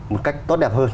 một cách tốt đẹp hơn